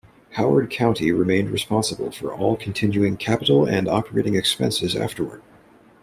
Howard County remained responsible for all continuing capitol and operating expenses afterward.